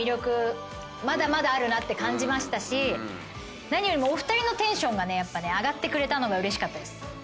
まだまだあるなって感じましたし何よりもお二人のテンションが上がってくれたのがうれしかったです。